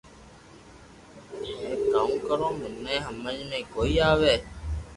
ھي ڪاوُ ڪرو مني ھمج ۾ ڪوئي آوي